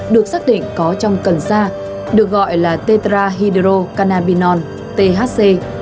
được xác định có trong cần sa được gọi là tetrahydrocannabinol thc